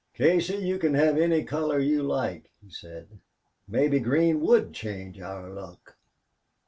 "Casey, you can have any color you like," he said. "Maybe green would change our luck."